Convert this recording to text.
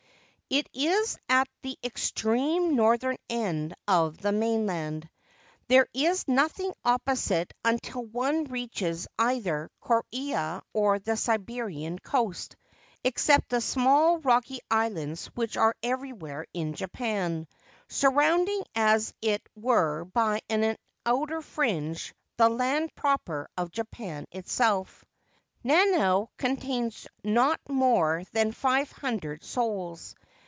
It is at the extreme northern end of the main land. There is nothing opposite until one reaches either Korea or the Siberian coast — except the small rocky islands which are everywhere in Japan, surrounding as it were by an outer fringe the land proper of Japan itself. Nanao contains not more than five hundred souls.